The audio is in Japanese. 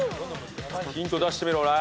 ヒント出してみろおら！